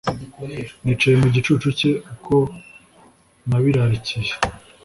nicaye mu gicucu cye uko nabirarikiye